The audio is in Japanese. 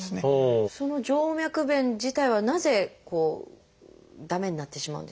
その静脈弁自体はなぜ駄目になってしまうんですか？